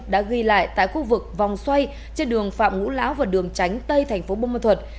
đã ghi lại tại khu vực vòng xoay trên đường phạm ngũ lão và đường tránh tây thành phố bùa ma thuật